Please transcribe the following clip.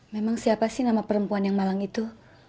memang siapa sih nama perempuan yang malang itu